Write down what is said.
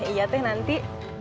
iya teh nanti